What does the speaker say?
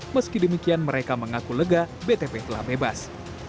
meski demikian mereka mengaku lega btp telah bebas